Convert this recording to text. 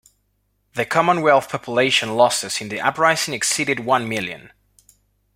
The Commonwealth population losses in the uprising exceeded one million.